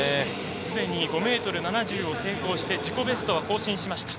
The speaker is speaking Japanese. すでに５ｍ７０を成功して自己ベストは更新しました。